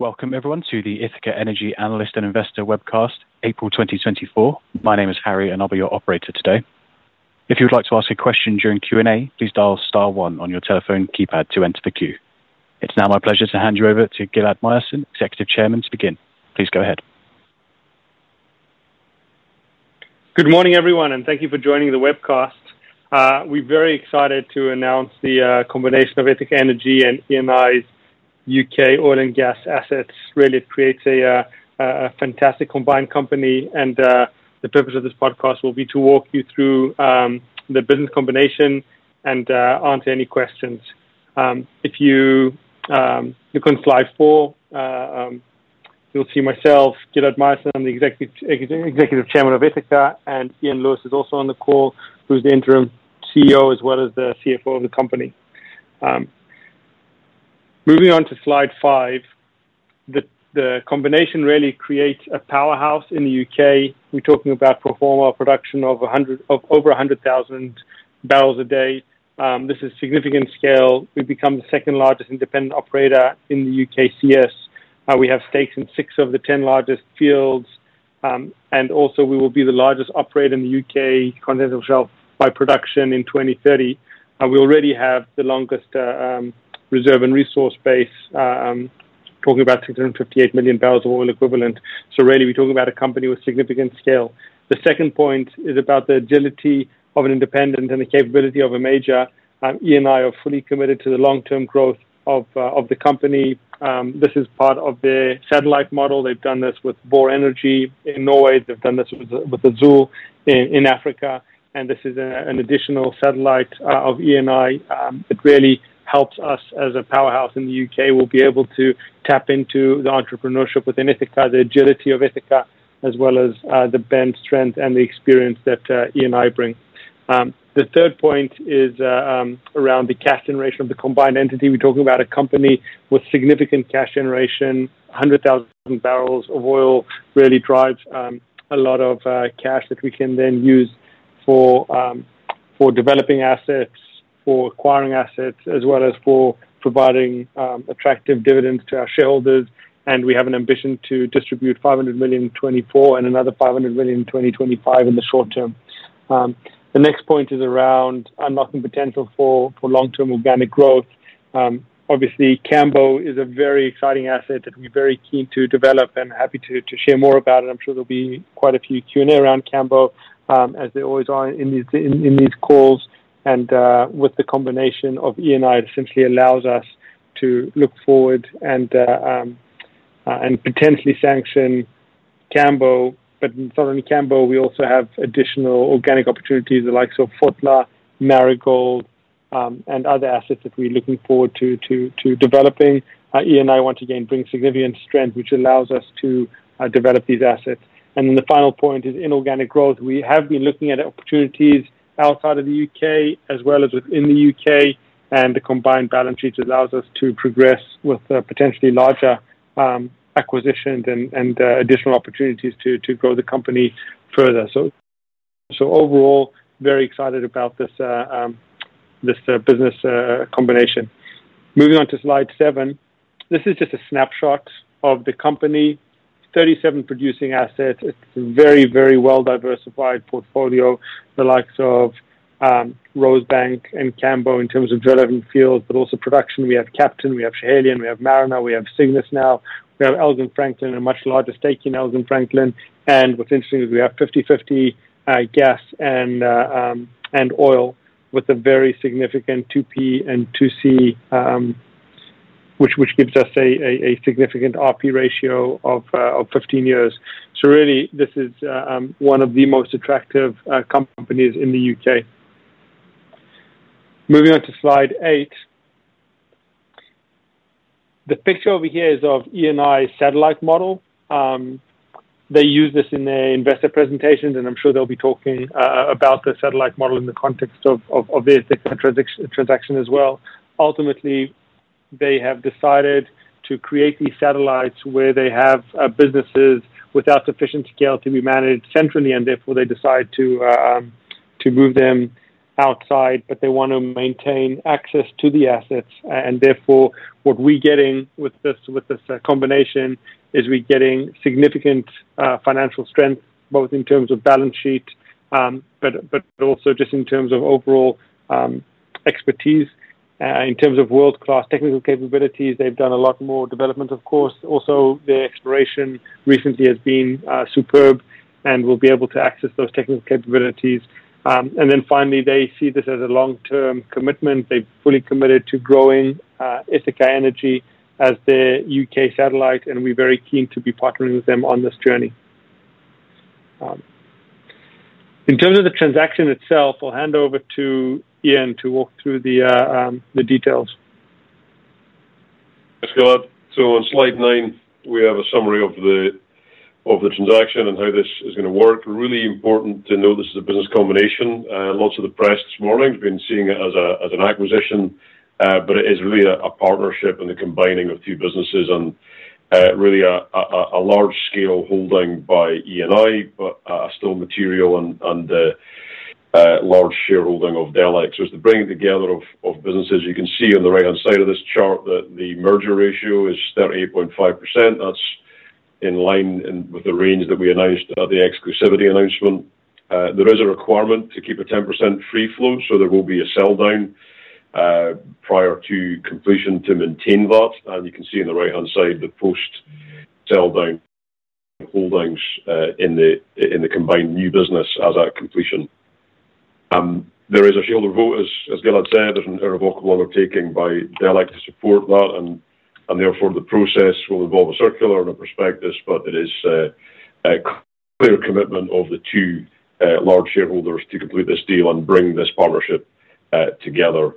Welcome everyone to the Ithaca Energy Analyst and Investor Webcast, April 2024. My name is Harry, and I'll be your operator today. If you'd like to ask a question during Q&A, please dial star one on your telephone keypad to enter the queue. It's now my pleasure to hand you over to Gilad Myerson, Executive Chairman, to begin. Please go ahead. Good morning, everyone, and thank you for joining the webcast. We're very excited to announce the combination of Ithaca Energy and Eni's UK oil and gas assets. Really, it creates a fantastic combined company, and the purpose of this podcast will be to walk you through the business combination and answer any questions. If you look on slide 4, you'll see myself, Gilad Myerson, I'm the Executive Chairman of Ithaca, and Iain Lewis is also on the call, who's the Interim CEO as well as the CFO of the company. Moving on to slide 5, the combination really creates a powerhouse in the UK. We're talking about pro forma production of over 100,000 barrels a day. This is significant scale. We've become the second-largest independent operator in the UKCS. We have stakes in six of the 10 largest fields, and also we will be the largest operator in the U.K. Continental Shelf by production in 2030. We already have the longest reserve and resource base, talking about 658 million barrels of oil equivalent. So really, we're talking about a company with significant scale. The second point is about the agility of an independent and the capability of a major. Eni are fully committed to the long-term growth of the company. This is part of their satellite model. They've done this with Vår Energi in Norway. They've done this with Azule in Africa, and this is an additional satellite of Eni. It really helps us as a powerhouse in the U.K. We'll be able to tap into the entrepreneurship within Ithaca, the agility of Ithaca, as well as, the bench strength and the experience that, Eni bring. The third point is, around the cash generation of the combined entity. We're talking about a company with significant cash generation, 100,000 barrels of oil really drives, a lot of, cash that we can then use for, developing assets, for acquiring assets, as well as for providing, attractive dividends to our shareholders. We have an ambition to distribute $500 million in 2024 and another $500 million in 2025 in the short term. The next point is around unlocking potential for, long-term organic growth. Obviously, Cambo is a very exciting asset that we're very keen to develop and happy to share more about it. I'm sure there'll be quite a few Q&A around Cambo, as there always are in these calls. With the combination of Eni, it essentially allows us to look forward and potentially sanction Cambo. But not only Cambo, we also have additional organic opportunities, the likes of Fotla, Marigold, and other assets that we're looking forward to developing. Eni, once again, brings significant strength, which allows us to develop these assets. Then the final point is inorganic growth. We have been looking at opportunities outside of the UK as well as within the UK, and the combined balance sheet allows us to progress with potentially larger acquisitions and additional opportunities to grow the company further. Overall, very excited about this business combination. Moving on to slide seven. This is just a snapshot of the company, 37 producing assets. It's a very, very well-diversified portfolio, the likes of Rosebank and Cambo in terms of relevant fields, but also production. We have Captain, we have Schiehallion, we have Mariner, we have Cygnus now. We have Elgin Franklin, a much larger stake in Elgin Franklin. And what's interesting is we have 50/50 gas and oil with a very significant 2P and 2C, which gives us a significant RP ratio of 15 years. So really, this is one of the most attractive companies in the U.K. Moving on to slide eight. The picture over here is of Eni's satellite model. They use this in their investor presentations, and I'm sure they'll be talking about the satellite model in the context of the Ithaca transaction as well. Ultimately, they have decided to create these satellites where they have businesses without sufficient scale to be managed centrally, and therefore, they decide to move them outside, but they want to maintain access to the assets. And therefore, what we're getting with this combination is we're getting significant financial strength, both in terms of balance sheet, but also just in terms of overall expertise. In terms of world-class technical capabilities, they've done a lot more development, of course. Also, their exploration recently has been superb and we'll be able to access those technical capabilities. And then finally, they see this as a long-term commitment. They've fully committed to growing Ithaca Energy as their UK satellite, and we're very keen to be partnering with them on this journey. In terms of the transaction itself, I'll hand over to Iain to walk through the details. Thanks, Gilad. So on slide nine, we have a summary of the transaction and how this is gonna work. Really important to know this is a business combination. Lots of the press this morning have been seeing it as an acquisition, but it is really a partnership and the combining of two businesses and really a large-scale holding by Eni, but still material and large shareholding of Delek. So it's the bringing together of businesses. You can see on the right-hand side of this chart that the merger ratio is 38.5%. That's in line with the range that we announced at the exclusivity announcement. There is a requirement to keep a 10% free float, so there will be a sell down prior to completion to maintain that. And you can see on the right-hand side, the post sell down holdings in the combined new business as at completion. There is a shareholder vote, as Gilad said, there's an irrevocable undertaking by Delek to support that, and therefore, the process will involve a circular and a prospectus, but it is a clear commitment of the two large shareholders to complete this deal and bring this partnership together.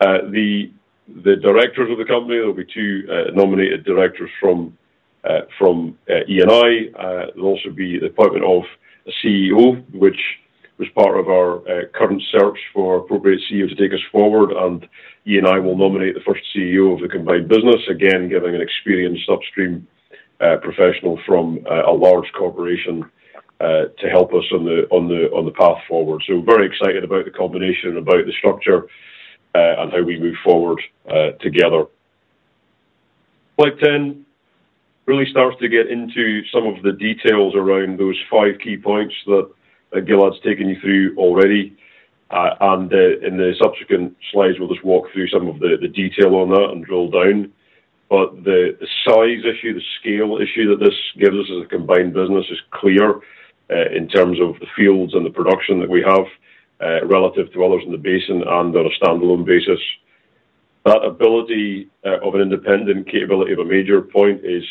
The directors of the company, there will be two nominated directors from Eni. There'll also be the appointment of a CEO, which was part of our current search for appropriate CEO to take us forward, and Eni will nominate the first CEO of the combined business. Again, giving an experienced upstream professional from a large corporation to help us on the path forward. So we're very excited about the combination, about the structure, and how we move forward, together. Slide 10 really starts to get into some of the details around those five key points that Gilad's taken you through already. In the subsequent slides, we'll just walk through some of the detail on that and drill down. But the size issue, the scale issue that this gives us as a combined business is clear, in terms of the fields and the production that we have, relative to others in the basin, and on a standalone basis. That ability of an independent capability of a major point is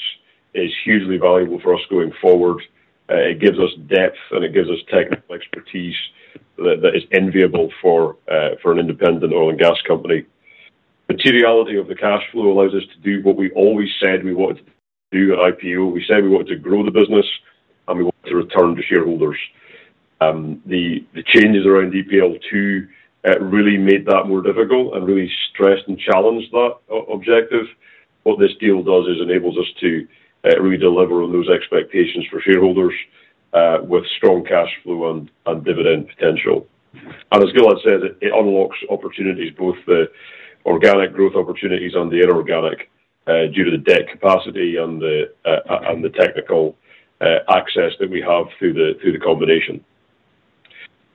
hugely valuable for us going forward. It gives us depth, and it gives us technical expertise that, that is enviable for, for an independent oil and gas company. Materiality of the cash flow allows us to do what we always said we wanted to do at IPO. We said we wanted to grow the business, and we wanted to return to shareholders. The, the changes around EPL 2 really made that more difficult and really stressed and challenged that objective. What this deal does is enables us to redeliver on those expectations for shareholders with strong cash flow and dividend potential. And as Gilad said, it unlocks opportunities, both the organic growth opportunities and the inorganic, due to the debt capacity and the technical access that we have through the combination.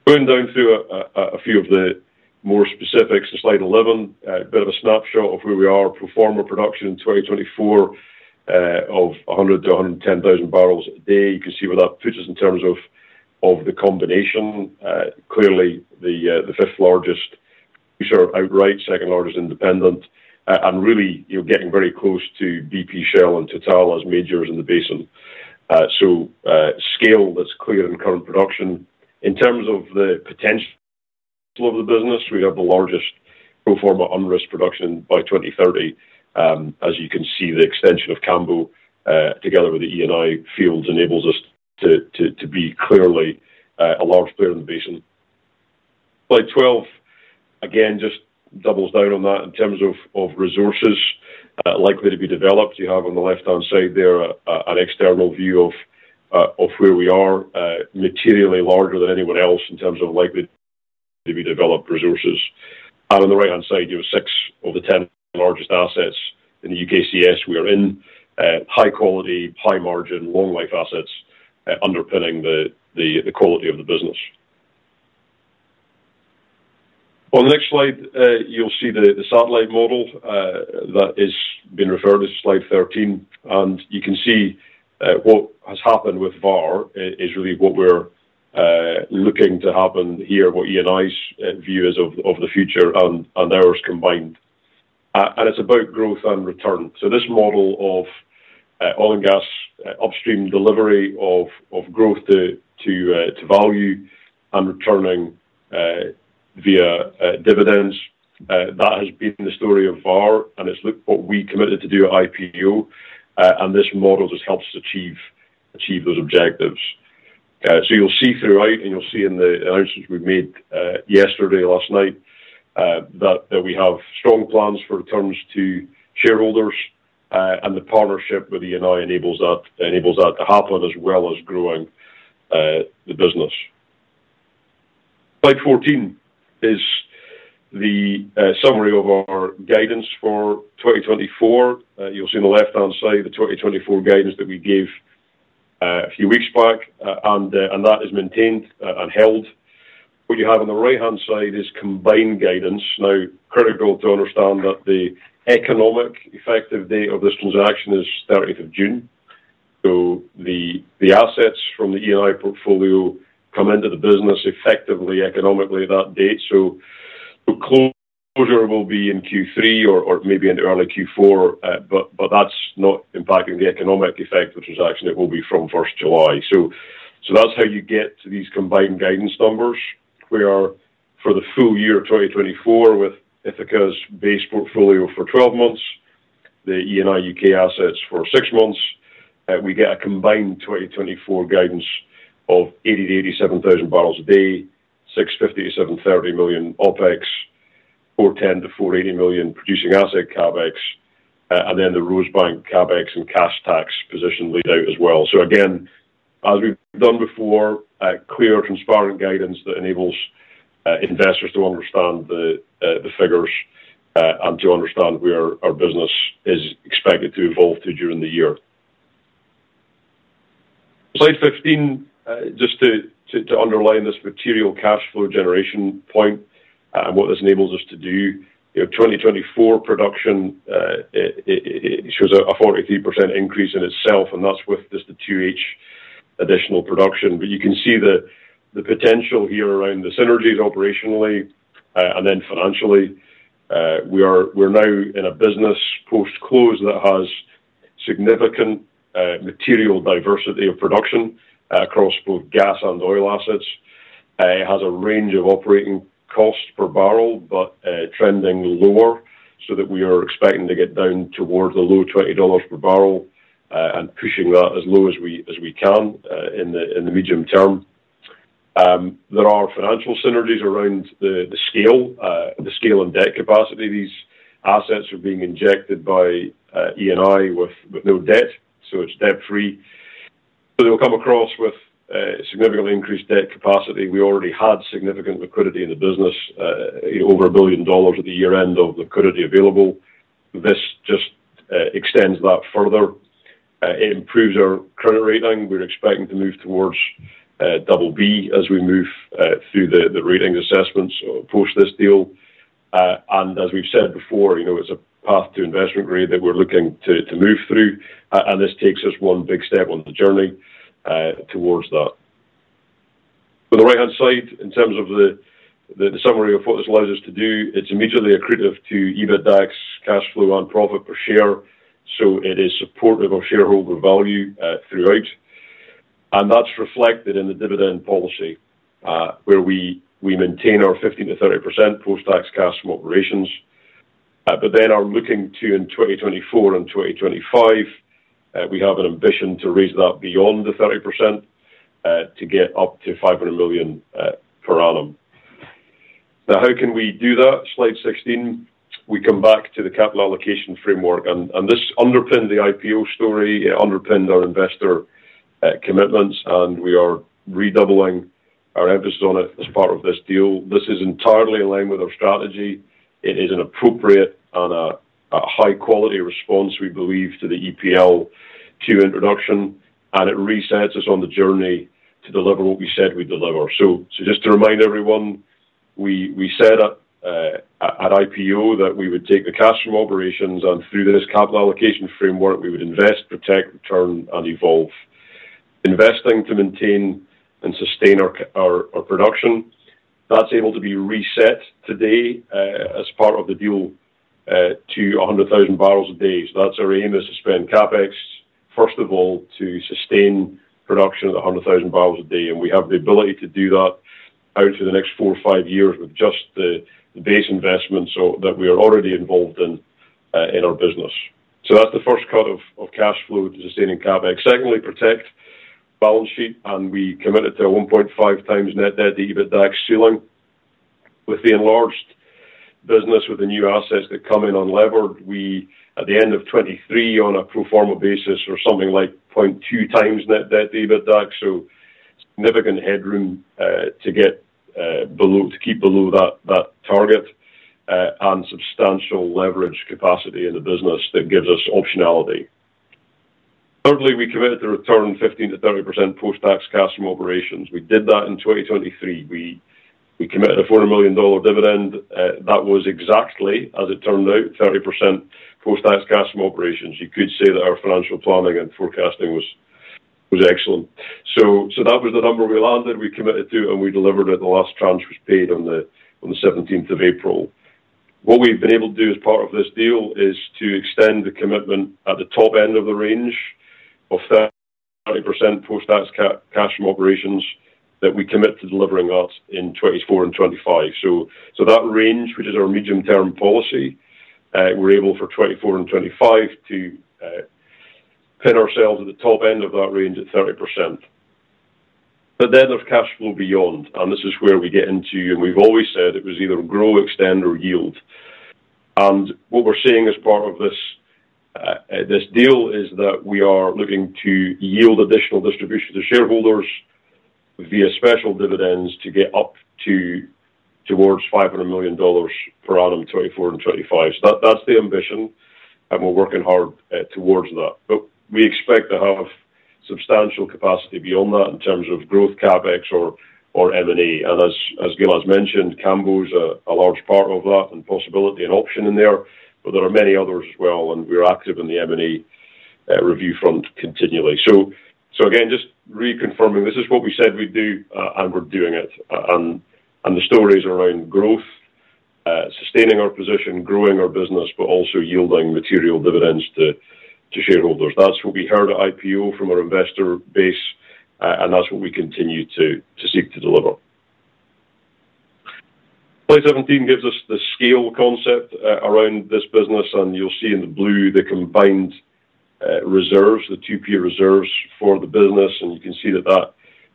Going down through a few of the more specifics to slide 11. A bit of a snapshot of where we are. Pro forma production in 2024 of 100-110,000 barrels a day. You can see where that puts us in terms of the combination. Clearly, the fifth largest producer, outright second largest independent, and really you're getting very close to BP, Shell and Total as majors in the basin. So, scale that's clear in current production. In terms of the potential of the business, we have the largest pro forma unrisked production by 2030. As you can see, the extension of Cambo, together with the Eni fields, enables us to be clearly a large player in the basin. Slide 12, again, just doubles down on that in terms of resources likely to be developed. You have on the left-hand side there an external view of where we are materially larger than anyone else in terms of likely to be developed resources. And on the right-hand side, you have six of the 10 largest assets in the UKCS. We are in high quality, high margin, long life assets underpinning the quality of the business. On the next slide, you'll see the satellite model that is being referred to, Slide 13. And you can see what has happened with Vår is really what we're looking to happen here, what Eni's view is of the future and ours combined. And it's about growth and return. So this model of oil and gas upstream delivery of growth to value and returning via dividends that has been the story of Vår, and it's what we committed to do at IPO. And this model just helps us achieve those objectives. So you'll see throughout, and you'll see in the announcements we've made yesterday, last night, that we have strong plans for returns to shareholders, and the partnership with Eni enables that to happen, as well as growing the business. Slide 14 is the summary of our guidance for 2024. You'll see on the left-hand side, the 2024 guidance that we gave a few weeks back, and that is maintained and held. What you have on the right-hand side is combined guidance. Now, critical to understand that the economic effective date of this transaction is thirtieth of June. So the assets from the Eni portfolio come into the business effectively, economically, that date. So the closure will be in Q3 or maybe in early Q4, but that's not impacting the economic effect of the transaction. It will be from first July. So that's how you get to these combined guidance numbers, where for the full year of 2024, with Ithaca's base portfolio for twelve months, the Eni UK assets for six months, we get a combined 2024 guidance of 80-87 thousand barrels a day, $650 million-$730 million OpEx. $410 million-$480 million producing asset CapEx, and then the Rosebank CapEx and cash tax position laid out as well. So again, as we've done before, a clear, transparent guidance that enables investors to understand the figures, and to understand where our business is expected to evolve to during the year. Slide 15, just to underline this material cash flow generation point and what this enables us to do. You know, 2024 production, it shows a 43% increase in itself, and that's with just the 2H additional production. But you can see the potential here around the synergies operationally, and then financially. We're now in a business post-close that has significant material diversity of production across both gas and oil assets. It has a range of operating costs per barrel, but trending lower, so that we are expecting to get down towards the low $20 per barrel, and pushing that as low as we can in the medium term. There are financial synergies around the scale and debt capacity. These assets are being injected by Eni with no debt, so it's debt-free. So they will come across with significantly increased debt capacity. We already had significant liquidity in the business, over $1 billion at the year end of liquidity available. This just extends that further. It improves our credit rating. We're expecting to move towards BB as we move through the rating assessments post this deal. And as we've said before, you know, it's a path to investment grade that we're looking to move through, and this takes us one big step on the journey towards that. On the right-hand side, in terms of the summary of what this allows us to do, it's immediately accretive to EBITDAX, cash flow, and profit per share, so it is supportive of shareholder value throughout. And that's reflected in the dividend policy, where we maintain our 50%-30% post-tax cash from operations, but then are looking to in 2024 and 2025, we have an ambition to raise that beyond the 30%, to get up to $500 million per annum. Now, how can we do that? Slide 16, we come back to the capital allocation framework, and this underpinned the IPO story, it underpinned our investor commitments, and we are redoubling our emphasis on it as part of this deal. This is entirely in line with our strategy. It is an appropriate and a high-quality response, we believe, to the EPL's introduction, and it resets us on the journey to deliver what we said we'd deliver. So just to remind everyone, we said at IPO that we would take the cash from operations, and through this capital allocation framework, we would invest, protect, return, and evolve. Investing to maintain and sustain our production, that's able to be reset today as part of the deal to 100,000 barrels a day. So that's our aim, is to spend CapEx, first of all, to sustain production at 100,000 barrels a day, and we have the ability to do that out to the next four or five years with just the base investments so that we are already involved in our business. So that's the first cut of cash flow to sustaining CapEx. Secondly, protect balance sheet, and we committed to a 1.5 times net debt, the EBITDAX ceiling. With the enlarged business, with the new assets that come in unlevered, we, at the end of 2023, on a pro forma basis, were something like 0.2 times net debt, EBITDAX, so significant headroom, to get below - to keep below that, that target, and substantial leverage capacity in the business that gives us optionality. Thirdly, we committed to return 15%-30% post-tax cash from operations. We did that in 2023. We, we committed a $400 million dividend. That was exactly, as it turned out, 30% post-tax cash from operations. You could say that our financial planning and forecasting was, was excellent. So, so that was the number we landed, we committed to, and we delivered it. The last tranche was paid on the, on the seventeenth of April. What we've been able to do as part of this deal is to extend the commitment at the top end of the range of 30% post-tax cash from operations that we commit to delivering in 2024 and 2025. So that range, which is our medium-term policy, we're able for 2024 and 2025 to pin ourselves at the top end of that range at 30%. But then there's cash flow beyond, and this is where we get into, and we've always said it was either grow, extend, or yield. And what we're seeing as part of this, this deal, is that we are looking to yield additional distribution to shareholders via special dividends to get up to towards $500 million per annum, 2024 and 2025. So that's the ambition, and we're working hard towards that. But we expect to have substantial capacity beyond that in terms of growth, CapEx or M&A. And as Gil has mentioned, Cambo is a large part of that, and possibly an option in there, but there are many others as well, and we are active in the M&A review front continually. So again, just reconfirming, this is what we said we'd do, and we're doing it. And the stories around growth, sustaining our position, growing our business, but also yielding material dividends to shareholders. That's what we heard at IPO from our investor base, and that's what we continue to seek to deliver. Slide 17 gives us the scale concept around this business, and you'll see in the blue the combined reserves, the 2P reserves for the business, and you can see that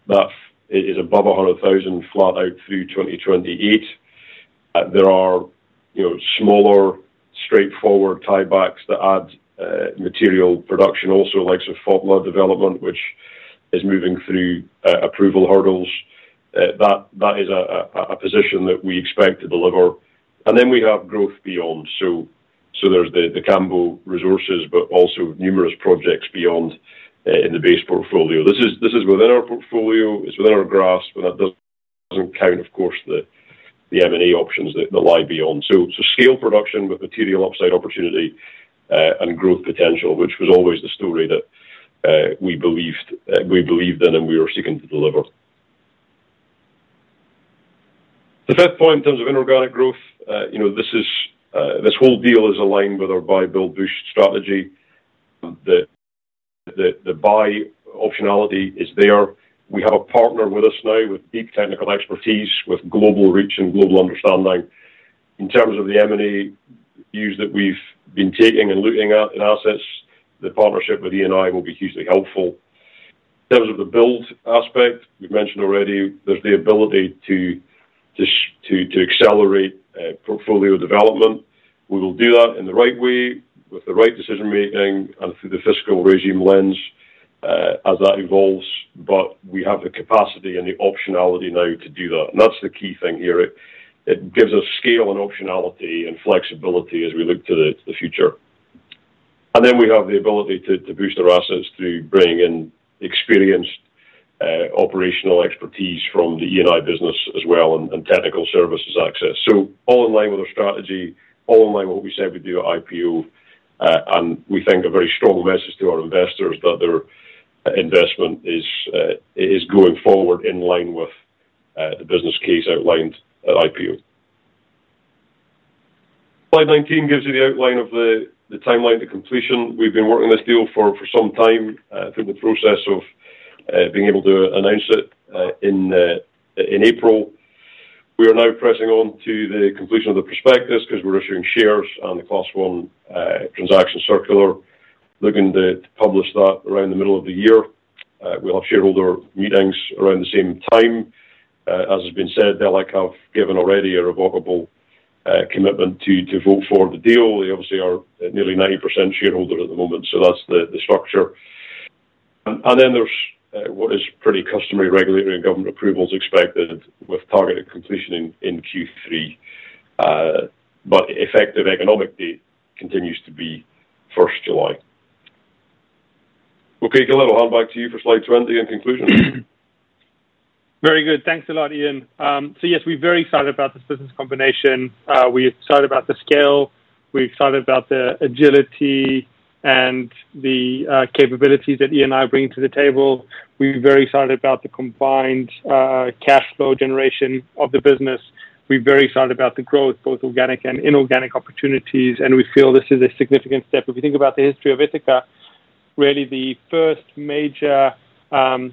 that is above 100,000 flat out through 2028. There are, you know, smaller, straightforward tie-backs that add material production also, like the Fotla development, which is moving through approval hurdles. That is a position that we expect to deliver. And then we have growth beyond. So there's the Cambo resources, but also numerous projects beyond in the base portfolio. This is within our portfolio, it's within our grasp, but that doesn't count, of course, the M&A options that lie beyond. So scale production with material upside opportunity and growth potential, which was always the story that we believed in, and we were seeking to deliver. The fifth point in terms of inorganic growth, you know, this whole deal is aligned with our buy build boost strategy. The buy optionality is there. We have a partner with us now with deep technical expertise, with global reach and global understanding. In terms of the M&A views that we've been taking and looking at in assets, the partnership with Eni will be hugely helpful. In terms of the build aspect, we've mentioned already there's the ability to accelerate portfolio development. We will do that in the right way, with the right decision making and through the fiscal regime lens as that evolves, but we have the capacity and the optionality now to do that. And that's the key thing here. It gives us scale and optionality and flexibility as we look to the future. And then we have the ability to boost our assets through bringing in experienced operational expertise from the Eni business as well, and technical services access. So all in line with our strategy, all in line with what we said we'd do at IPO, and we think a very strong message to our investors that their investment is going forward in line with the business case outlined at IPO. Slide 19 gives you the outline of the timeline to completion. We've been working this deal for some time through the process of being able to announce it in April. We are now pressing on to the completion of the prospectus because we're issuing shares on the Class 1 transaction circular, looking to publish that around the middle of the year. We'll have shareholder meetings around the same time. As has been said, Delek have given already irrevocable commitment to vote for the deal. They obviously are nearly 90% shareholder at the moment, so that's the structure. And then there's what is pretty customary, regulatory and government approvals expected with targeted completion in Q3. But effective economic date continues to be 1st July. Okay, Gilad, I'll hand back to you for slide 20 and conclusion. Very good. Thanks a lot, Iain. So yes, we're very excited about this business combination. We're excited about the scale, we're excited about the agility and the capabilities that Eni are bringing to the table. We're very excited about the combined cash flow generation of the business. We're very excited about the growth, both organic and inorganic opportunities, and we feel this is a significant step. If you think about the history of Ithaca, really, the first major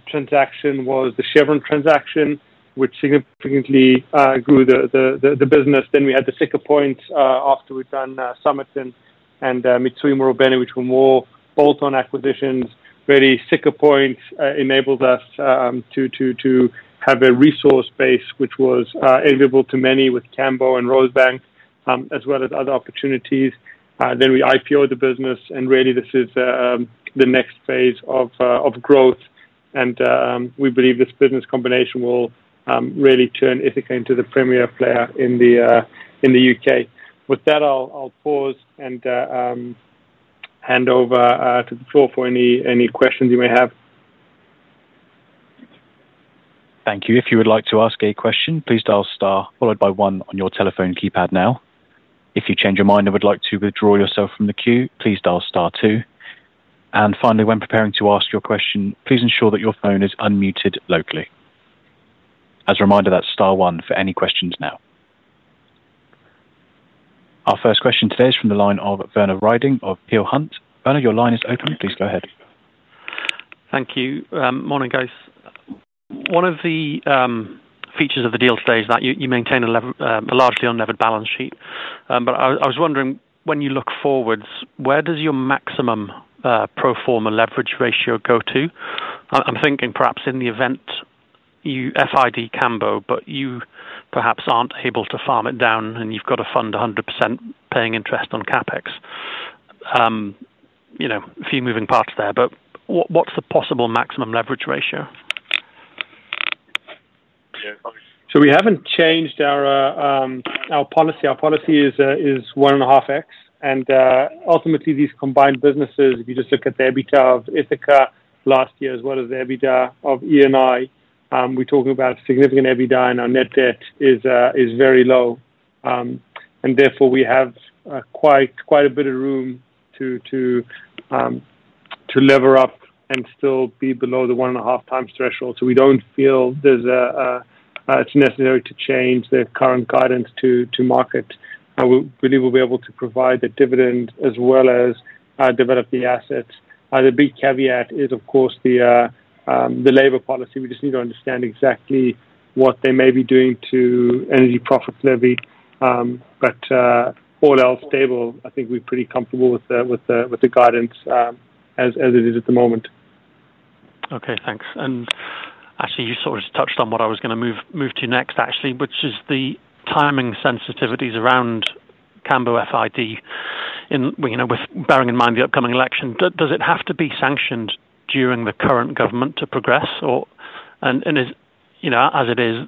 transaction was the Chevron transaction, which significantly grew the business. Then we had the Siccar Point, after we've done Summit and Mitsui, Marubeni, which were more bolt-on acquisitions. Really, Siccar Point enabled us to have a resource base, which was available to many with Cambo and Rosebank, as well as other opportunities. Then we IPO the business, and really, this is the next phase of growth, and we believe this business combination will really turn Ithaca into the premier player in the U.K. With that, I'll pause and hand over to the floor for any questions you may have. Thank you. If you would like to ask a question, please dial star, followed by one on your telephone keypad now. If you change your mind and would like to withdraw yourself from the queue, please dial star two. And finally, when preparing to ask your question, please ensure that your phone is unmuted locally. As a reminder, that's star one for any questions now. Our first question today is from the line of Werner Riding of Peel Hunt. Werner, your line is open. Please go ahead. Thank you. Morning, guys. One of the features of the deal today is that you maintain a largely unlevered balance sheet. But I was wondering, when you look forwards, where does your maximum pro forma leverage ratio go to? I'm thinking perhaps in the event you FID Cambo, but you perhaps aren't able to farm it down, and you've got to fund 100% paying interest on CapEx. You know, a few moving parts there, but what's the possible maximum leverage ratio? So we haven't changed our policy. Our policy is 1.5x, and ultimately these combined businesses, if you just look at the EBITDA of Ithaca last year, as well as the EBITDA of Eni, we're talking about significant EBITDA, and our net debt is very low. And therefore, we have quite a bit of room to lever up and still be below the 1.5x threshold. So we don't feel it's necessary to change the current guidance to market. We think we'll be able to provide the dividend as well as develop the assets. The big caveat is, of course, the Labour policy. We just need to understand exactly what they may be doing to energy profitability. But all else stable, I think we're pretty comfortable with the guidance as it is at the moment.... Okay, thanks. And actually, you sort of touched on what I was gonna move to next, actually, which is the timing sensitivities around Cambo FID, you know, with bearing in mind the upcoming election. Does it have to be sanctioned during the current government to progress or—and is, you know, as it is,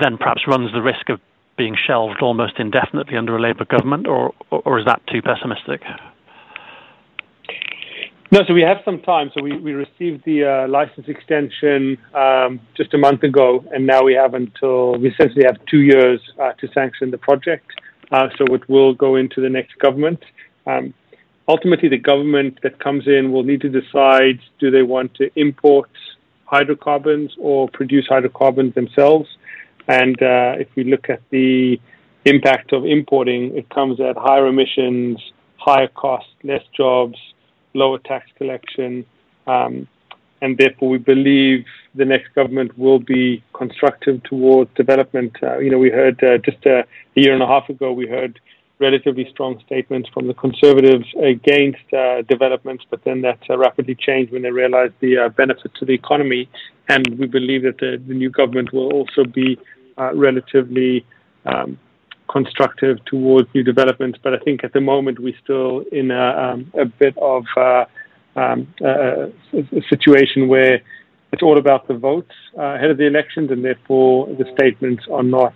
then perhaps runs the risk of being shelved almost indefinitely under a Labour government, or is that too pessimistic? No, so we have some time. So we received the license extension just a month ago, and now we have until... We essentially have two years to sanction the project. So it will go into the next government. Ultimately, the government that comes in will need to decide, do they want to import hydrocarbons or produce hydrocarbons themselves? And if we look at the impact of importing, it comes at higher emissions, higher costs, less jobs, lower tax collection, and therefore, we believe the next government will be constructive towards development. You know, we heard just a year and a half ago we heard relatively strong statements from the Conservatives against developments, but then that rapidly changed when they realized the benefit to the economy, and we believe that the new government will also be relatively constructive towards new developments. But I think at the moment, we're still in a bit of a situation where it's all about the votes ahead of the elections, and therefore, the statements are not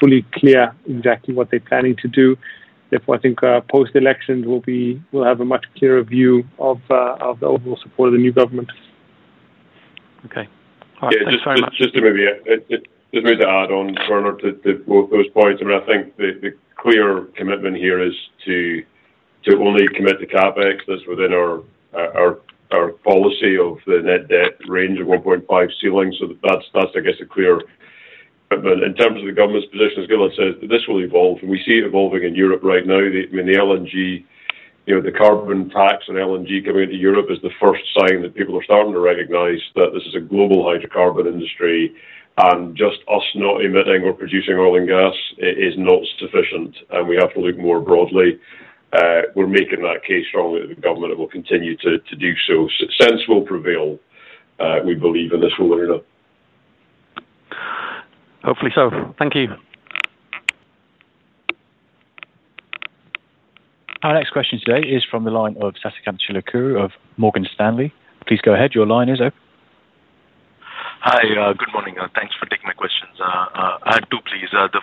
fully clear exactly what they're planning to do. Therefore, I think post-election we'll have a much clearer view of the overall support of the new government. Okay. All right. Thanks very much. Just to maybe add on, Bernard, to those points, and I think the clear commitment here is to only commit the CapEx that's within our policy of the net debt range of 1.5 ceiling. So that's a clear... But in terms of the government's position, as Gilad says, this will evolve, and we see it evolving in Europe right now. I mean, the LNG, you know, the carbon tax on LNG coming to Europe is the first sign that people are starting to recognize that this is a global hydrocarbon industry, and just us not emitting or producing oil and gas is not sufficient, and we have to look more broadly. We're making that case strongly to the government, and we'll continue to do so. Sense will prevail, we believe, and this will learn it. Hopefully so. Thank you. Our next question today is from the line of Sasikanth Chilukuru of Morgan Stanley. Please go ahead. Your line is open. Hi, good morning. Thanks for taking my questions. I have two, please. The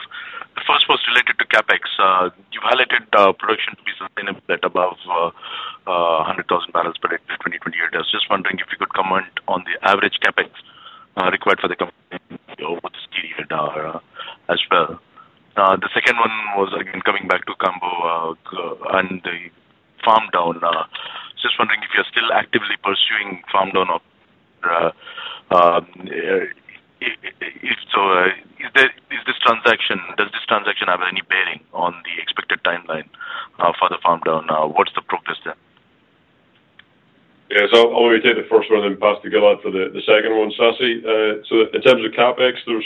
first was related to CapEx. You highlighted production to be sustainable at above 100,000 barrels per day in 2028. I was just wondering if you could comment on the average CapEx required for the company over this period, as well. The second one was, again, coming back to Cambo, and the farm down. Just wondering if you're still actively pursuing farm down. If so, is there, is this transaction - does this transaction have any bearing on the expected timeline for the farm down? What's the progress there? Yes. So I'll let me take the first one, then pass to Gilad for the second one, Sasi. So in terms of CapEx, there's,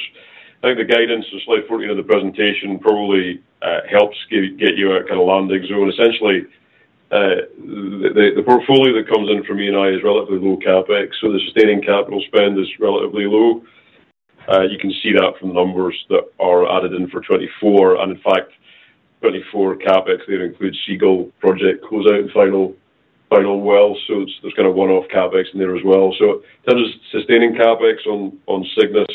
I think the guidance on slide 40 of the presentation probably helps get you a kinda landing zone. Essentially, the portfolio that comes in from Eni is relatively low CapEx, so the sustaining capital spend is relatively low. You can see that from the numbers that are added in for 2024, and in fact, 2024 CapEx, that includes Seagull project closeout and final well, so there's kind of one-off CapEx in there as well. So in terms of sustaining CapEx on Cygnus,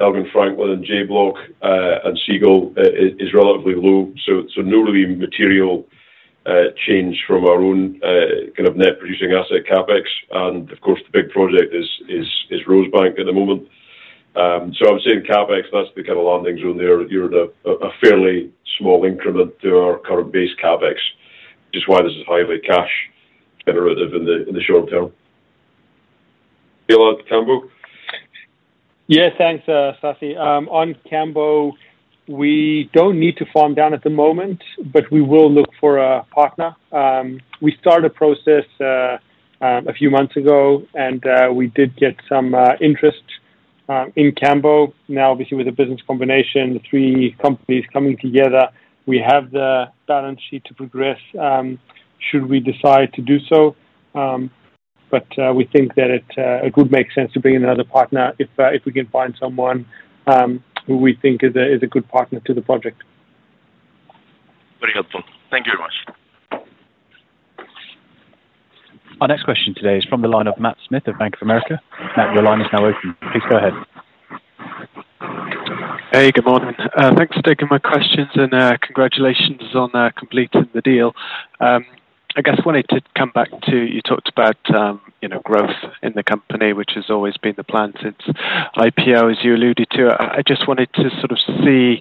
Elgin Franklin, and J Block, and Seagull is relatively low, so no really material change from our own kind of net producing asset CapEx. And of course, the big project is Rosebank at the moment. So I would say in CapEx, that's the kind of landing zone there. You're at a fairly small increment to our current base CapEx, which is why this is highly cash generative in the short term. Gilad, Cambo? Yeah, thanks, Sasi. On Cambo, we don't need to farm down at the moment, but we will look for a partner. We started a process a few months ago, and we did get some interest in Cambo. Now, obviously, with the business combination, the three companies coming together, we have the balance sheet to progress should we decide to do so. But we think that it would make sense to bring in another partner if we can find someone who we think is a good partner to the project. Very helpful. Thank you very much. Our next question today is from the line of Matt Smith of Bank of America. Matt, your line is now open. Please go ahead. Hey, good morning. Thanks for taking my questions, and congratulations on completing the deal. I guess I wanted to come back to... You talked about, you know, growth in the company, which has always been the plan since IPO, as you alluded to. I just wanted to sort of see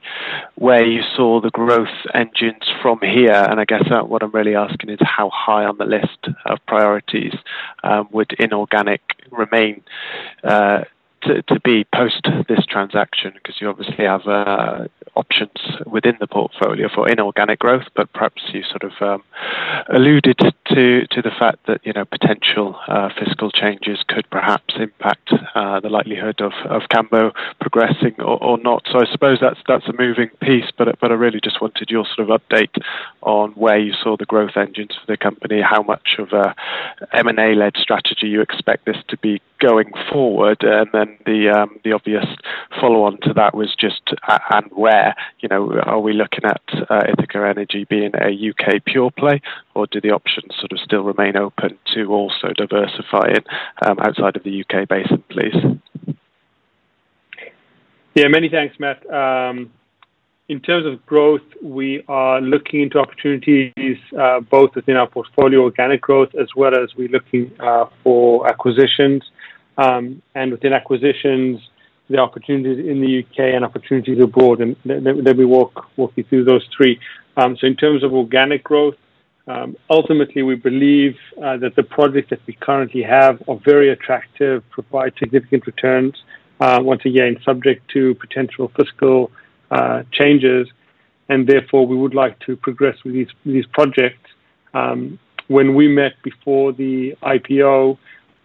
where you saw the growth engines from here, and I guess what I'm really asking is how high on the list of priorities would inorganic remain to be post this transaction? Because you obviously have options within the portfolio for inorganic growth, but perhaps you sort of alluded to the fact that, you know, potential fiscal changes could perhaps impact... the likelihood of Cambo progressing or not. So I suppose that's, that's a moving piece, but, but I really just wanted your sort of update on where you saw the growth engines for the company, how much of a M&A-led strategy you expect this to be going forward. And then the, the obvious follow-on to that was just and where, you know, are we looking at Ithaca Energy being a U.K. pure play, or do the options sort of still remain open to also diversify it outside of the U.K. basin, please? Yeah, many thanks, Matt. In terms of growth, we are looking into opportunities, both within our portfolio, organic growth, as well as we're looking for acquisitions. And within acquisitions, the opportunities in the UK and opportunities abroad, and let me walk you through those three. So in terms of organic growth, ultimately, we believe that the projects that we currently have are very attractive, provide significant returns, once again, subject to potential fiscal changes, and therefore, we would like to progress with these projects. When we met before the IPO,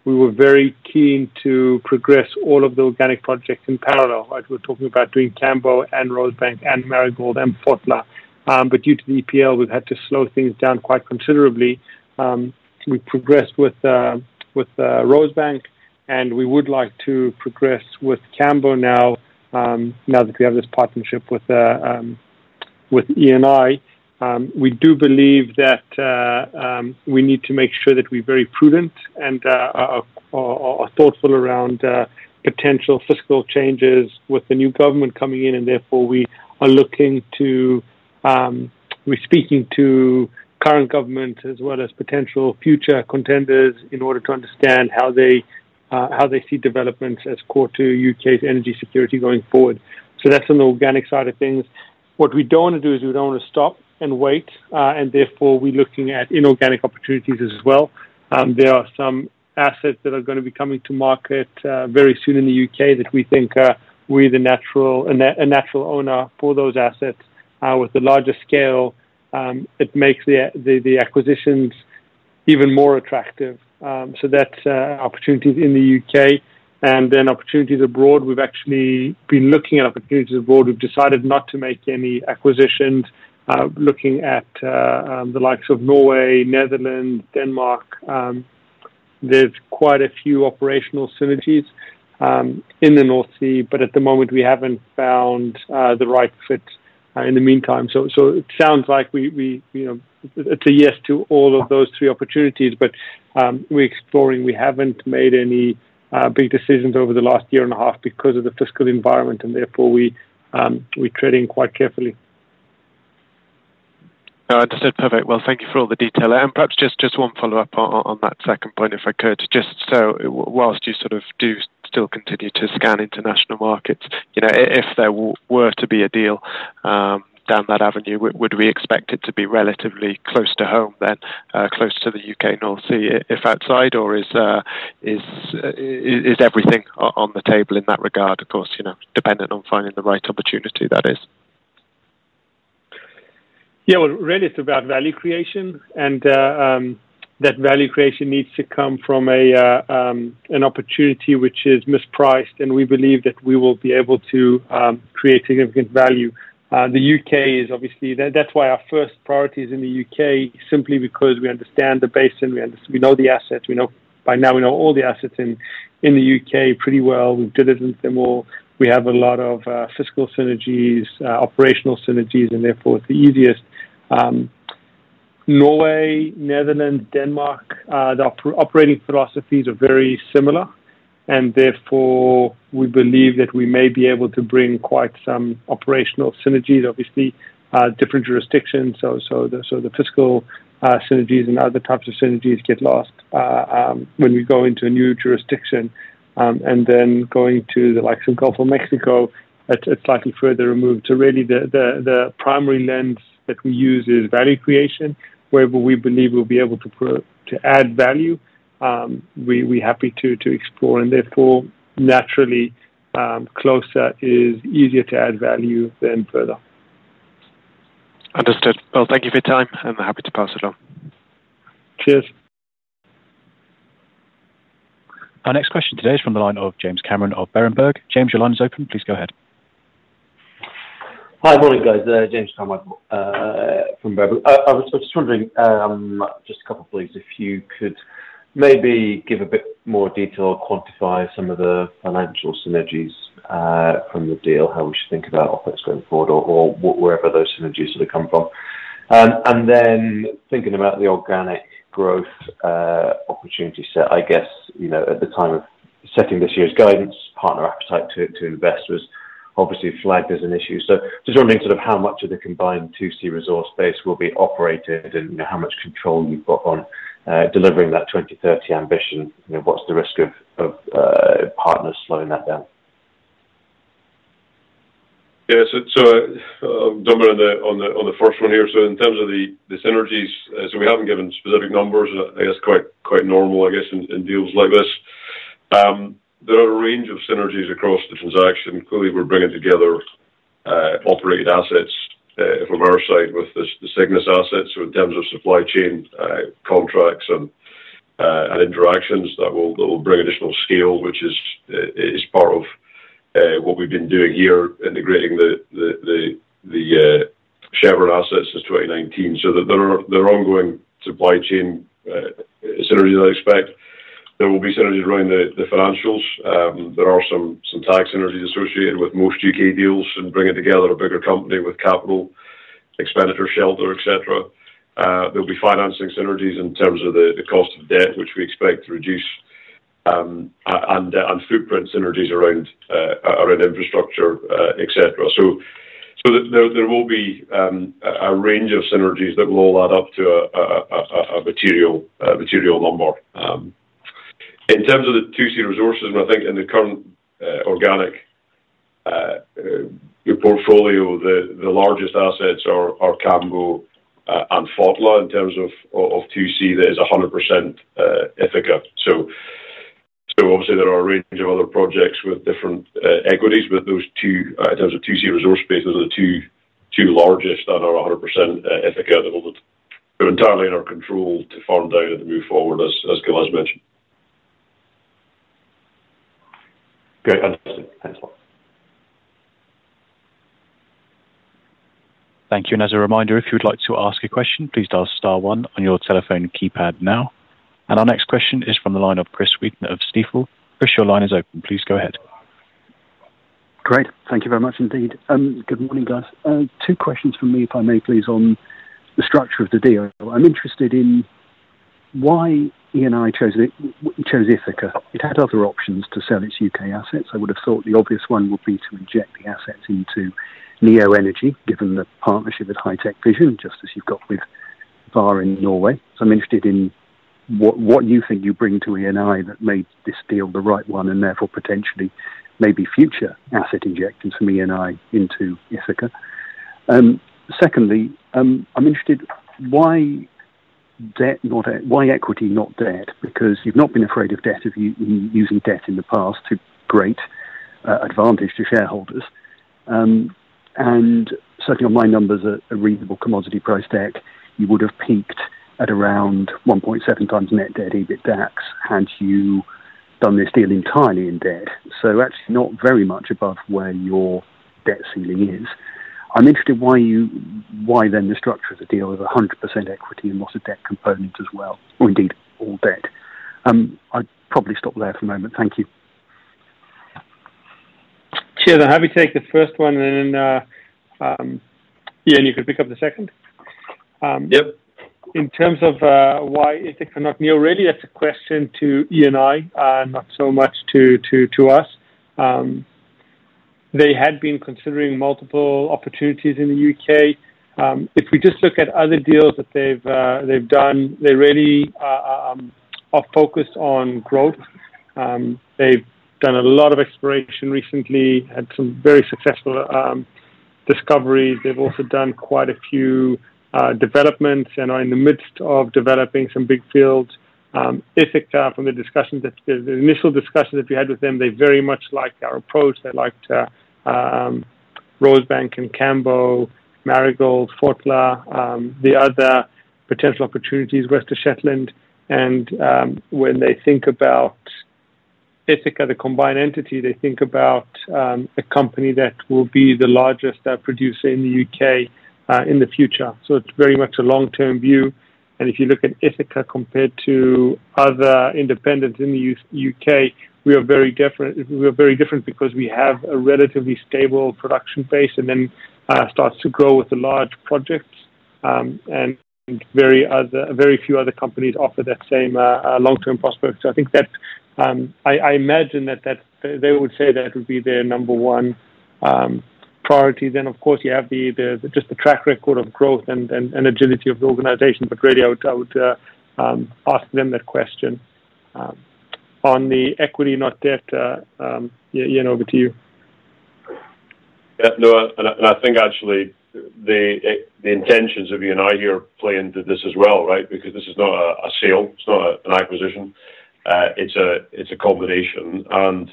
we were very keen to progress all of the organic projects in parallel, as we're talking about doing Cambo and Rosebank and Marigold and Fotla. But due to the EPL, we've had to slow things down quite considerably. We progressed with Rosebank, and we would like to progress with Cambo now, now that we have this partnership with Eni. We do believe that we need to make sure that we're very prudent and are thoughtful around potential fiscal changes with the new government coming in, and therefore, we are looking to, we're speaking to current government as well as potential future contenders in order to understand how they see developments as core to U.K.'s energy security going forward. So that's on the organic side of things. What we don't want to do is we don't want to stop and wait, and therefore, we're looking at inorganic opportunities as well. There are some assets that are gonna be coming to market very soon in the UK that we think are, we're the natural, a natural owner for those assets. With the larger scale, it makes the acquisitions even more attractive. So that's opportunities in the UK, and then opportunities abroad. We've actually been looking at opportunities abroad. We've decided not to make any acquisitions. Looking at the likes of Norway, Netherlands, Denmark, there's quite a few operational synergies in the North Sea, but at the moment we haven't found the right fit in the meantime. So it sounds like we, you know, it's a yes to all of those three opportunities, but we're exploring. We haven't made any big decisions over the last year and a half because of the fiscal environment, and therefore, we treading quite carefully. Understood. Perfect. Well, thank you for all the detail. Perhaps just one follow-up on that second point, if I could. Just so while you sort of do still continue to scan international markets, you know, if there were to be a deal down that avenue, would we expect it to be relatively close to home then, close to the UK North Sea, if outside, or is everything on the table in that regard? Of course, you know, dependent on finding the right opportunity, that is. Yeah, well, really it's about value creation, and that value creation needs to come from an opportunity which is mispriced, and we believe that we will be able to create significant value. The UK is obviously... That's why our first priority is in the UK, simply because we understand the basin, we know the assets. We know by now we know all the assets in the UK pretty well. We've delivered them all. We have a lot of fiscal synergies, operational synergies, and therefore, it's the easiest. Norway, Netherlands, Denmark, their operating philosophies are very similar, and therefore, we believe that we may be able to bring quite some operational synergies, obviously, different jurisdictions. So the fiscal synergies and other types of synergies get lost when we go into a new jurisdiction. And then going to the likes of Gulf of Mexico, it's slightly further removed. So really, the primary lens that we use is value creation, wherever we believe we'll be able to to add value, we happy to explore, and therefore, naturally, closer is easier to add value than further. Understood. Well, thank you for your time, I'm happy to pass it along. Cheers. Our next question today is from the line of James Cameron of Berenberg. James, your line is open. Please go ahead. Hi, morning, guys, James Cameron from Berenberg. I was just wondering, just a couple of things, if you could maybe give a bit more detail or quantify some of the financial synergies from the deal, how we should think about OpEx going forward or wherever those synergies would come from. And then thinking about the organic growth opportunity set, I guess, you know, at the time of setting this year's guidance, partner appetite to invest was obviously flagged as an issue. So just wondering sort of how much of the combined 2C resource base will be operated, and, you know, how much control you've got on delivering that 20-30 ambition? You know, what's the risk of partners slowing that down? Yes, so, jumping on the first one here. So in terms of the synergies, so we haven't given specific numbers. I guess, quite normal, I guess, in deals like this. There are a range of synergies across the transaction. Clearly, we're bringing together operated assets from our side with the Cygnus assets. So in terms of supply chain, contracts and interactions, that will bring additional scale, which is part of what we've been doing here, integrating the Chevron assets since 2019. So there are ongoing supply chain synergies I expect. There will be synergies around the financials. There are some, some tax synergies associated with most U.K. deals and bringing together a bigger company with capital expenditure, shelter, etc. There'll be financing synergies in terms of the, the cost of debt, which we expect to reduce, and footprint synergies around, around infrastructure, etc. So, so there, there will be a range of synergies that will all add up to a, a, a, a material, material number. In terms of the 2C resources, and I think in the current, organic, portfolio, the, the largest assets are, are Cambo, and Fotla in terms of, of 2C, that is 100%, Ithaca. So, obviously, there are a range of other projects with different equities, but those two, in terms of 2C resource space, those are the two largest that are 100% Ithaca, that will be entirely in our control to farm down and move forward, as Gil has mentioned. Great. Understood. Thanks a lot. Thank you, and as a reminder, if you'd like to ask a question, please dial star one on your telephone keypad now. Our next question is from the line of Chris Wheaton of Stifel. Chris, your line is open. Please go ahead. Great. Thank you very much indeed. Good morning, guys. Two questions from me, if I may please, on the structure of the deal. I'm interested in why Eni chose it, chose Ithaca. It had other options to sell its UK assets. I would have thought the obvious one would be to inject the assets into Neptune Energy, given the partnership with HitecVision, just as you've got with Vår in Norway. So I'm interested in what, what you think you bring to Eni that made this deal the right one and therefore potentially maybe future asset injections from Eni into Ithaca. Secondly, I'm interested, why debt not equity, why equity not debt? Because you've not been afraid of debt, of using debt in the past to great advantage to shareholders. And certainly on my numbers, a reasonable commodity price deck, you would have peaked at around 1.7x net debt to EBITDAX had you done this deal entirely in debt. So actually not very much above where your debt ceiling is. I'm interested why you, why then the structure of the deal is 100% equity and not a debt component as well, or indeed, all debt. I'd probably stop there for a moment. Thank you. Sure. I'll have you take the first one, and then, Iain, you can pick up the second. Um, yep. In terms of why Ithaca not Neptune, really, that's a question to Eni, not so much to us. They had been considering multiple opportunities in the UK. If we just look at other deals that they've done, they really are focused on growth. They've done a lot of exploration recently, had some very successful discoveries. They've also done quite a few developments and are in the midst of developing some big fields. Ithaca, from the initial discussions that we had with them, they very much liked our approach. They liked Rosebank and Cambo, Marigold, Fotla, the other potential opportunities, West of Shetland. When they think about Ithaca, the combined entity, they think about a company that will be the largest producer in the UK in the future. So it's very much a long-term view. And if you look at Ithaca compared to other independents in the UK, we are very different. We are very different because we have a relatively stable production base and then starts to grow with the large projects. And very few other companies offer that same long-term prospect. So I think that I imagine that they would say that would be their number one priority. Then, of course, you have just the track record of growth and agility of the organization. But really, I would ask them that question. On the equity, not debt, Iain, over to you. Yeah, no, and I think actually the intentions of Eni here play into this as well, right? Because this is not a sale, it's not an acquisition. It's a combination, and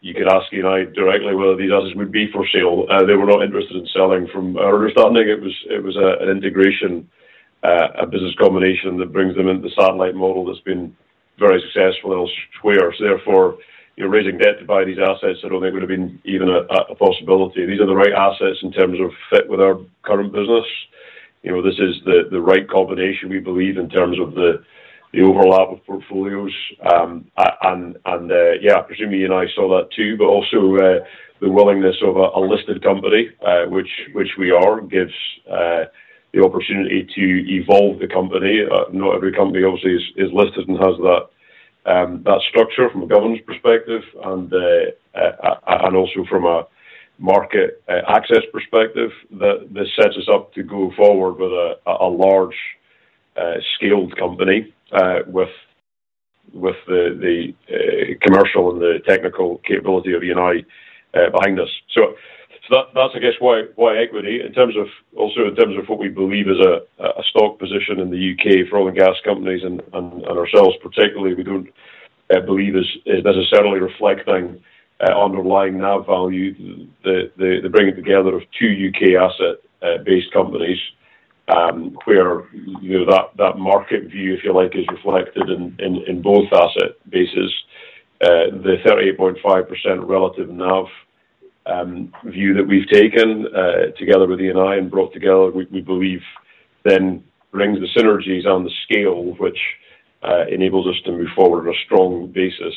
you could ask Eni directly whether these others would be for sale. They were not interested in selling from our understanding. It was an integration, a business combination that brings them into the satellite model that's been very successful elsewhere. So therefore, you're raising debt to buy these assets I don't think would have been even a possibility. These are the right assets in terms of fit with our current business. You know, this is the right combination, we believe, in terms of the overlap of portfolios. Yeah, presumably, Eni saw that too, but also the willingness of a listed company, which we are, gives the opportunity to evolve the company. Not every company obviously is listed and has that structure from a governance perspective and also from a market access perspective, that this sets us up to go forward with a large scaled company, with the commercial and the technical capability of Eni behind us. So that that's, I guess, why equity. In terms of... Also, in terms of what we believe is a stock position in the UK for oil and gas companies and ourselves particularly, we don't believe is necessarily reflecting underlying NAV value, the bringing together of two UK asset based companies, where, you know, that market view, if you like, is reflected in both asset bases. The 38.5% relative NAV view that we've taken together with Eni and brought together, we believe, then brings the synergies on the scale, which enables us to move forward on a strong basis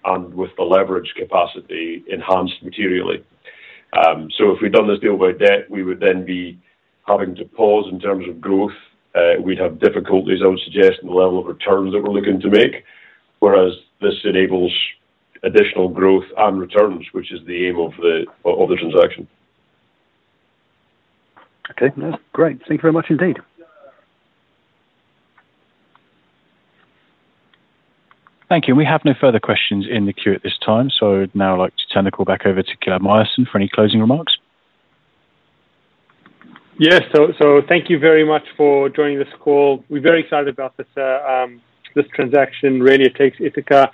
and with the leverage capacity enhanced materially. So if we've done this deal by debt, we would then be having to pause in terms of growth. We'd have difficulties, I would suggest, in the level of returns that we're looking to make, whereas this enables additional growth and returns, which is the aim of the transaction. Okay, that's great. Thank you very much indeed. Thank you. We have no further questions in the queue at this time, so I'd now like to turn the call back over to Gilad Myerson for any closing remarks. Yes, so thank you very much for joining this call. We're very excited about this transaction. Really, it takes Ithaca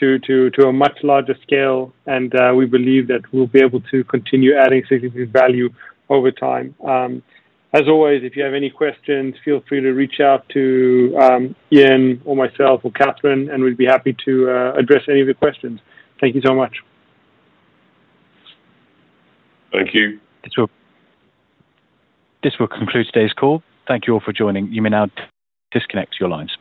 to a much larger scale, and we believe that we'll be able to continue adding significant value over time. As always, if you have any questions, feel free to reach out to Iain or myself or Catherine, and we'd be happy to address any of your questions. Thank you so much. Thank you. This will conclude today's call. Thank you all for joining. You may now disconnect your lines.